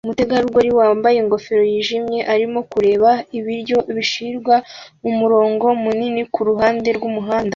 Umutegarugori wambaye ingofero yijimye arimo kureba ibiryo bishyirwa mumurongo munini kuruhande rwumuhanda